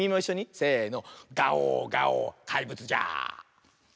せの。